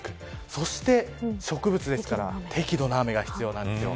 そして植物ですから適度な雨が必要です。